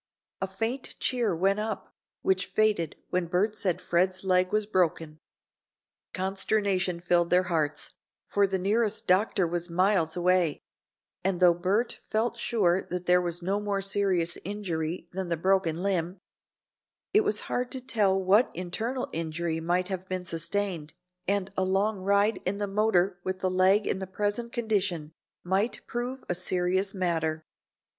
A faint cheer went up, which faded when Bert said Fred's leg was broken. Consternation filled their hearts, for the nearest doctor was miles away, and though Bert felt sure there was no more serious injury than the broken limb, it was hard to tell what internal injury might have been sustained, and a long ride in the motor with the leg in the present condition might prove a serious matter.